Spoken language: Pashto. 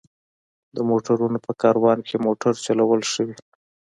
د موټرونو په کاروان کې موټر چلول ښه وي.